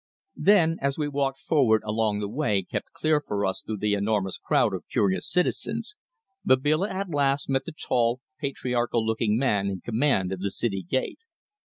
Then, as we walked forward along the way kept clear for us through the enormous crowd of curious citizens, Babila at last met the tall, patriarchal looking man in command of the city gate.